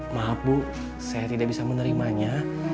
maaf bu saya tidak bisa menerimanya